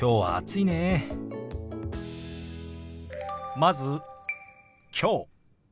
まず「きょう」。